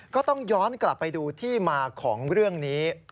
ก็ต้องย้อนกลับไปดูที่มาของเรื่องนี้